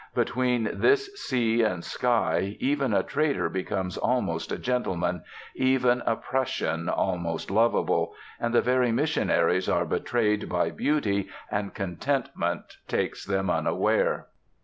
Between this sea and sky even a trader becomes almost a gentleman, even a Prussian almost lovable, and the very missionaries are betrayed by beauty, and contentment takes them unaware.